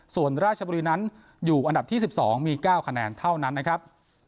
ส่วนราชบุรีนั้นอยู่อันดับที่๑๒มี๙คะแนนเท่านั้นนะครับ